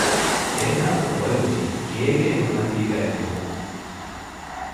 އޭނާއަށް އޮވެވުނީ ގޭގެ އެނދުމަތީގައެއް ނޫން